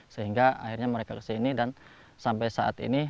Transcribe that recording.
sehingga akhirnya mereka kesini dan sampai saat ini